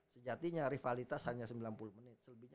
sejatinya rivalitas hanya sembilan puluh menit